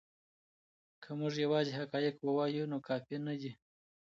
که موږ یوازې حقایق ووایو نو کافی نه دی.